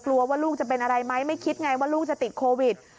ว่าลูกจะเป็นอะไรไหมไม่คิดไงว่าลูกจะติดโควิด